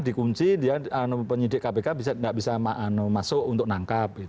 dikunci penyidik kpk tidak bisa masuk untuk menangkap